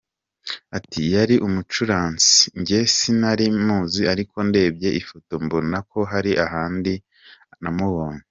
Ati “Yari umucuranzi, njye sinari muzi ariko ndebye ifoto mbona ko hari ahandi namubonye.